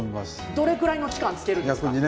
どれくらいの期間漬けるんですか？